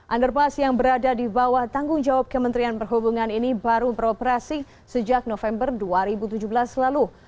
underpass yang berada di bawah tanggung jawab kementerian perhubungan ini baru beroperasi sejak november dua ribu tujuh belas lalu